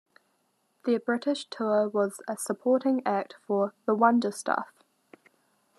Their British tour was as a supporting act for The Wonder Stuff.